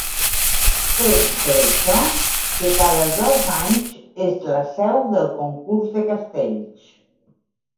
És per això que cada dos anys és la seu del concurs de castells.